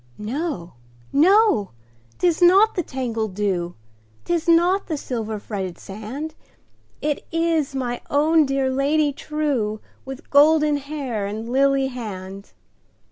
No! no! 'tis not the tangled dew,'Tis not the silver fretted sand, It is my own dear Lady trueWith golden hair and lily hand!